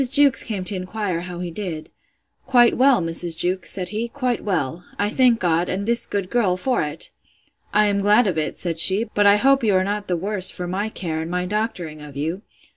Jewkes came to inquire how he did. Quite well, Mrs. Jewkes, said he; quite well: I thank God, and this good girl, for it!—I am glad of it, said she; but I hope you are not the worse for my care, and my doctoring of you!